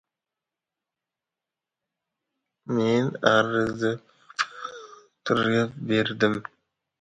Men arazlab o‘tira berdim.